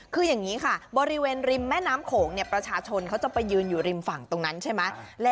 คืออย่างนี้ค่ะบริเวณริมแม่น้ำโขงประชาชนเขาจะไปยืนอยู่ริมฝั่งตรงนั้นใช่ไหม